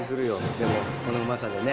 でもこのうまさでね。